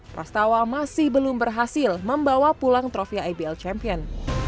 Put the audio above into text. prastawa masih belum berhasil membawa pulang trofiya ibl champion